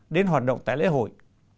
đến hoạt động tại lễ hội